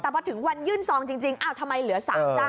แต่พอถึงวันยื่นซองจริงอ้าวทำไมเหลือ๓เจ้า